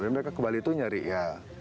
mereka ke bali itu nyari ya